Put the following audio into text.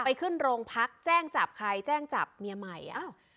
ไปขึ้นโรงพักแจ้งจับใครแจ้งจับเมียใหม่อ้าว